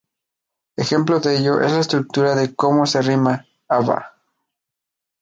Ejemplo de ello es la estructura de como se rima: abba.